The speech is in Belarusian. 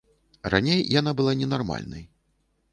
Раней яна была ненармальнай.